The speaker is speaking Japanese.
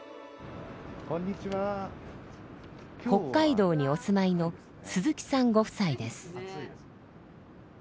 北海道にお住まいの鈴木さんご夫妻です。